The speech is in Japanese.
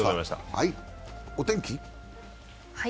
お天気。